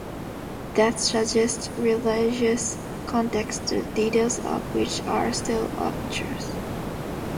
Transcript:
That suggests religious context, the details of which are still obscure.